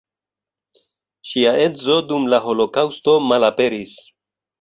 Ŝia edzo dum la holokaŭsto malaperis.